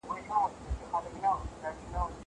زه کښېناستل نه کوم!